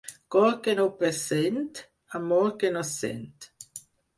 Cor que no pressent, amor que no sent.